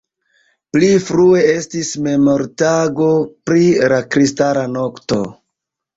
Pli frue estis Memortago pri la kristala nokto.